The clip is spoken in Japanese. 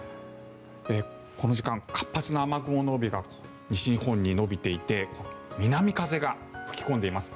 この時間、活発な雨雲の帯が西日本に延びていて南風が吹き込んでいます。